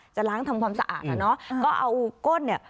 จะล้างทำความสะอาดอ่ะเนอะก็เอาก้นเนี่ย